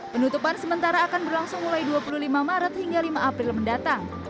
penutupan sementara akan berlangsung mulai dua puluh lima maret hingga lima april mendatang